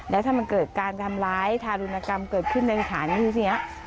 แล้วถ้ามันเกิดการทำร้ายทารุณกรรมเกิดขึ้นในสถานที่นี้